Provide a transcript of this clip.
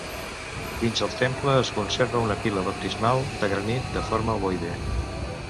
Dins el temple es conserva una pila baptismal de granit de forma ovoide.